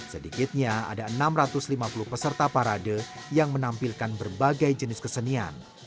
sedikitnya ada enam ratus lima puluh peserta parade yang menampilkan berbagai jenis kesenian